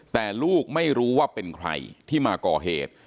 แต่ลูกไม่รู้ว่าเป็นใครที่มาก่อเหตุ